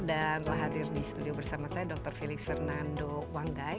dan telah hadir di studio bersama saya dr felix fernando wanggai